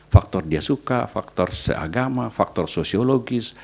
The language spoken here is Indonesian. faktor dia suka faktor seagama faktor sosiologis